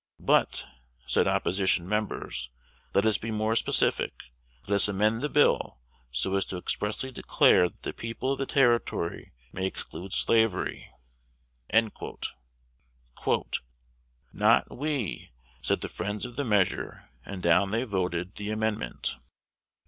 "But," said opposition members, "let us be more specific, let us amend the bill so as to expressly declare that the people of the Territory may exclude slavery." "Not we," said the friends of the measure; and down they voted the amendment.